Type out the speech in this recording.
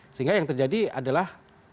sehingga yang terjadi adalah